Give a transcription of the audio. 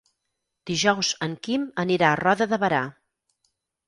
Dijous en Quim anirà a Roda de Berà.